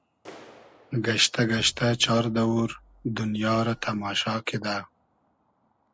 گئشتۂ گئشتۂ چار دئوور دونیا رۂ تئماشا کیدۂ